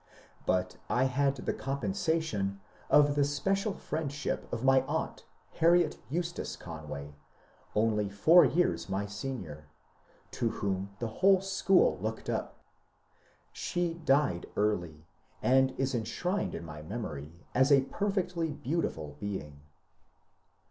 But I had the compensation of the special friendship of my aunt Harriet Eustace Conway, — only four years my senior, — to whom the whole school looked up. She died early, and is enshrined in my memory as a perfectly beautiful being.